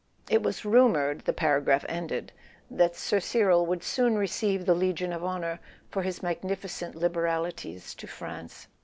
It was rumoured, the para¬ graph ended, that Sir Cyril would soon receive the Legion of Honour for his magnificent liberalities to France.